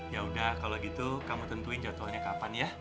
yaudah kalau gitu kamu tentuin jatuhannya kapan ya